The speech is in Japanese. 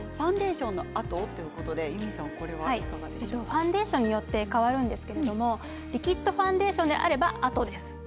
ファンデーションによって変わるんですけれどもリキッドファンデーションであれば、あとです。